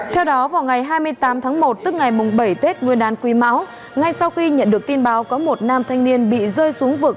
theo đó vào ngày hai mươi tám tháng một tức ngày bảy tết nguyên đán quý mão ngay sau khi nhận được tin báo có một nam thanh niên bị rơi xuống vực